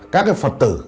các cái phật tử